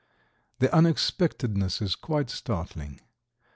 The unexpectedness is quite startling.